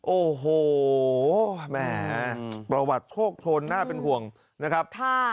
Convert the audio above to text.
โอ้โหแหมประวัติโคกโครนน่าเป็นห่วงนะครับ